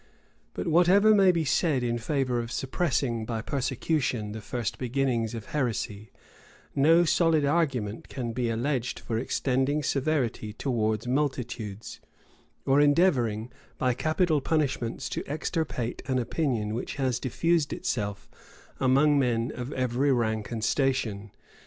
But whatever may be said in favor of suppressing, by persecution, the first beginnings of heresy, no solid argument can be alleged for extending severity towards multitudes, or endeavoring, by capital punishments, to extirpate an opinion which has diffused itself among men of every rank and station.